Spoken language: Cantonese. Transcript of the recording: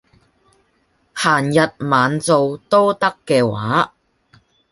閒日晚做都得嘅話